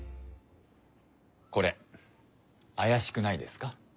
これあやしくないですか？